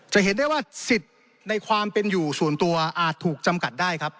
จะเห็นได้ว่าสิทธิ์ในความเป็นอยู่ส่วนตัวอาจถูกจำกัดได้ครับ